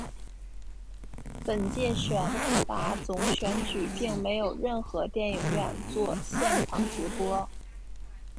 本届选拔总选举并没有任何电影院作现场直播。